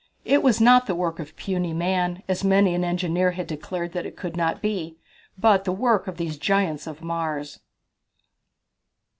It was not the work of puny man, as many an engineer had declared that it could not be, but the work of these giants of Mars.